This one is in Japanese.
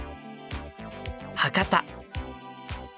博多。